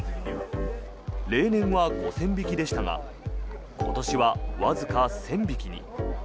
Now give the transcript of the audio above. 例年は５０００匹でしたが今年はわずか１０００匹に。